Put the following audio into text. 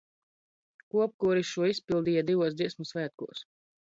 Kopkoris šo izpildīja divos Dziesmu svētkos.